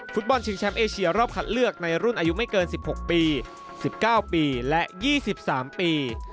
ฟุตบอลชิงแชมป์เอเชียรอบคัดเลือกในรุ่นอายุไม่เกิน๑๖ปี๑๙ปีและ๒๓ปี